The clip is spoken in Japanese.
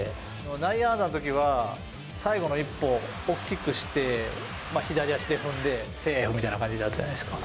内野安打のときは最後の一歩を大きくして、左足で踏んでセーフみたいな感じになるじゃないですか。